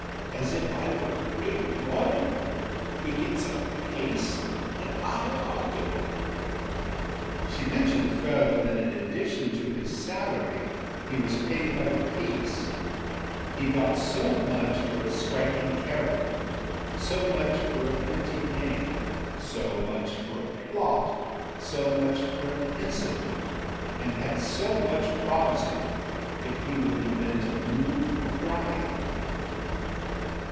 as if I were a great lawyer: he gets up the case and I argue it.â She mentioned further that in addition to his salary he was paid by the piece: he got so much for a striking character, so much for a pretty name, so much for a plot, so much for an incident, and had so much promised him if he would invent a new crime.